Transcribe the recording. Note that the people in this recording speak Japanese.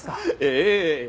ええ。